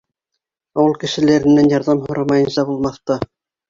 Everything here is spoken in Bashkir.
Ауыл кешеләренән ярҙам һорамайынса булмаҫ та.